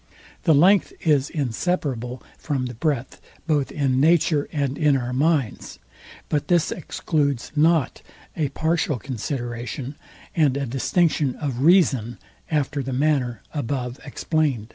The length is inseparable from the breadth both in nature and in our minds; but this excludes not a partial consideration, and a distinction of reason, after the manner above explained.